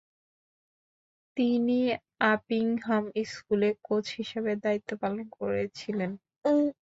তিনি আপিংহাম স্কুলে কোচ হিসেবে দায়িত্ব পালন করেছিলেন।